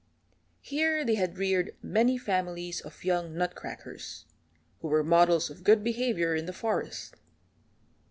Here they had reared many families of young Nutcrackers, who were models of good behavior in the forest.